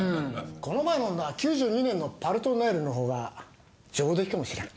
この前飲んだ９２年の「パルトネール」のほうが上出来かもしれん。